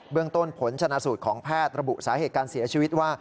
เรื่องต้นผลชนะสูตรของแพทย์ระบุสาเหตุการเสียชีวิตว่า